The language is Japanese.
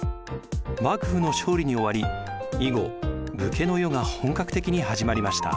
幕府の勝利に終わり以後武家の世が本格的に始まりました。